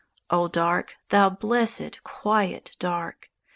_ O Dark! thou blessèd, quiet Dark!